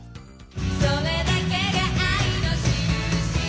「それだけが愛のしるし」